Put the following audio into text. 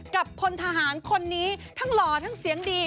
พลทหารคนนี้ทั้งหล่อทั้งเสียงดี